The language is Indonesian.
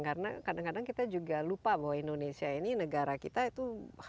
karena kadang kadang kita juga lupa bahwa indonesia ini negara kita itu